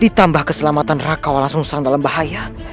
ditambah keselamatan raka walah sengsang dalam bahaya